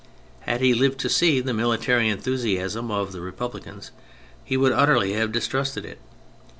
Had he lived to see the military enthusiasm of the Republicans he would utterly have distrusted it.